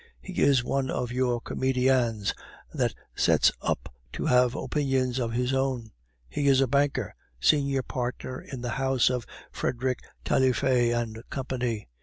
He is one of your comedians that sets up to have opinions of his own. He is a banker senior partner in the house of Frederic Taillefer and Company.